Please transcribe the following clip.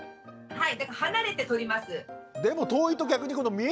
はい。